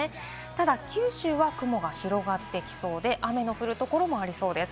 ただ九州は雲が広がってきそうで、雨の降るところもありそうです。